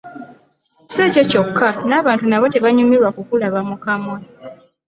SI ekyo kyokka n’abantu nabo tebanyumirwa kukulaba mu kamwa.